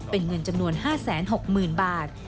เป็นเงินจำนวน๕๖๐๐๐บาท